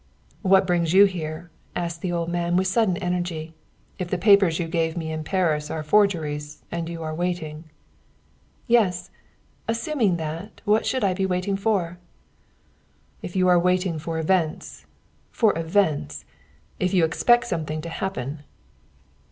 "What brings you here?" asked the old man with sudden energy. "If the papers you gave me in Paris are forgeries and you are waiting " "Yes; assuming that, what should I be waiting for?" "If you are waiting for events for events! If you expect something to happen!"